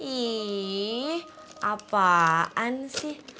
ih apaan sih